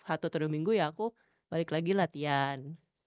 satu atau dua minggu ya aku balik lagi latihan